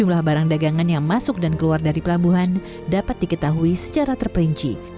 jumlah barang dagangan yang masuk dan keluar dari pelabuhan dapat diketahui secara terperinci